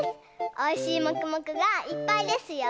おいしいもくもくがいっぱいですよ。